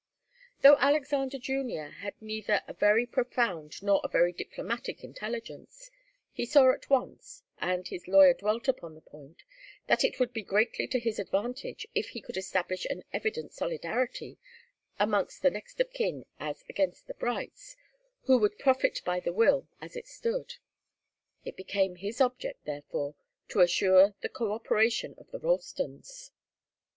Though Alexander Junior had neither a very profound nor a very diplomatic intelligence, he saw at once, and his lawyer dwelt upon the point, that it would be greatly to his advantage if he could establish an evident solidarity amongst the next of kin as against the Brights, who would profit by the will as it stood. It became his object therefore to assure the coöperation of the Ralstons.